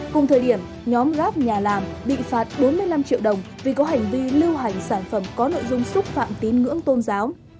cùng thời điểm nhóm gáp nhà làm bị phạt bốn mươi năm triệu đồng vì có hành vi lưu hành sản phẩm có nội dung xúc phạm tín ngưỡng tôn giáo